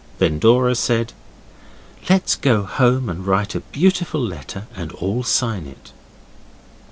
Then Dora said 'Let's go home and write a beautiful letter and all sign it.